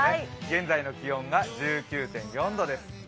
現在の気温が１９．４度です。